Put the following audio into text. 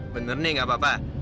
bener nih gak apa apa